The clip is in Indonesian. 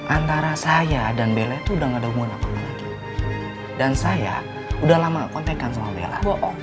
antara saya dan bella itu udah nggak ada umur dan saya udah lama kontenkan sama bella